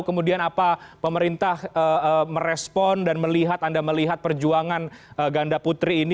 kemudian apa pemerintah merespon dan melihat anda melihat perjuangan ganda putri ini